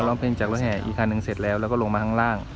ร้องเพลงจากรถแห่อีกคันหนึ่งเสร็จแล้วแล้วก็ลงมาข้างล่าง